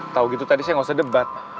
tahu gitu tadi saya gak usah debat